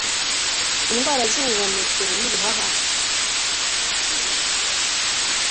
indwara zubuhumekero nibihaha